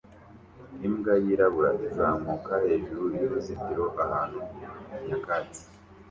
Imbwa yirabura izamuka hejuru y'uruzitiro ahantu nyakatsi